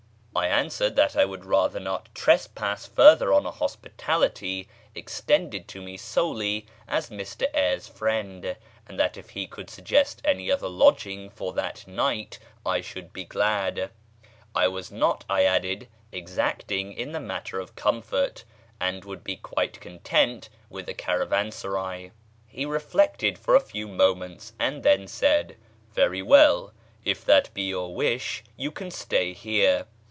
I answered that I would rather not trespass further on a hospitality extended to me solely as Mr Eyres' friend, and that if he could suggest any other lodging for that night I should be glad. I was not, I added, exacting in the matter of comfort, and would be quite content with a caravansary. [page xxxiii] He reflected for a few moments and then said, "Very well. If that be your wish you can stay here.